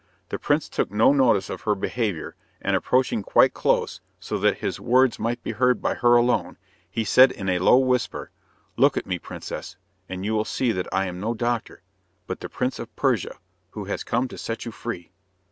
The prince took no notice of her behaviour, and approaching quite close, so that his words might be heard by her alone, he said in a low whisper, "Look at me, princess, and you will see that I am no doctor, but the Prince of Persia, who has come to set you free."